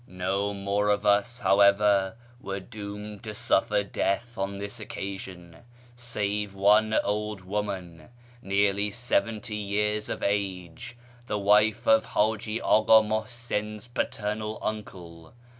" No more of us, however, were doomed to suffer death on this occasion, save one old woman, nearly seventy years of age, the wife of Haji Aka Muhsin's paternal uncle.